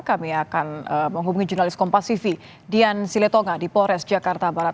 kami akan menghubungi jurnalis kompasifi dian siletonga di polres jakarta barat